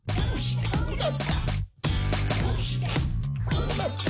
こうなった？